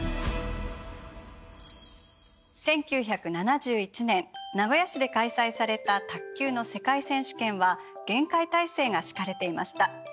１９７１年名古屋市で開催された卓球の世界選手権は厳戒態勢が敷かれていました。